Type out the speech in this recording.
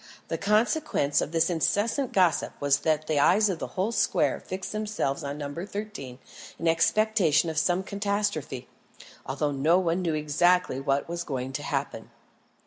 The consequence of this incessant gossip was that the eyes of the whole square fixed themselves on No. 13 in expectation of some catastrophe, although no one knew exactly what was going to happen.